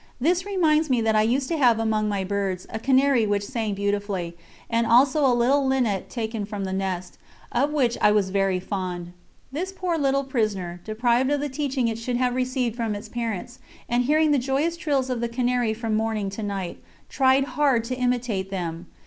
This reminds me that I used to have among my birds a canary which sang beautifully, and also a little linnet taken from the nest, of which I was very fond. This poor little prisoner, deprived of the teaching it should have received from its parents, and hearing the joyous trills of the canary from morning to night, tried hard to imitate them.